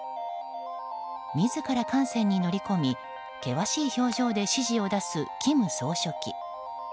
自ら艦船に乗り込み険しい表情で指示を出す金総書記。